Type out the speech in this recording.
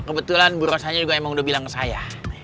kebetulan bu rosanya juga emang udah bilang ke saya